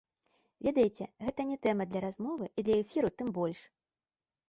Ведаеце, гэта не тэма для размовы і для эфіру тым больш!